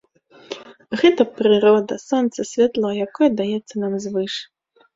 Гэта прырода, сонца, святло, якое даецца нам звыш.